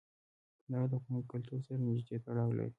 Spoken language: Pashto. کندهار د افغان کلتور سره نږدې تړاو لري.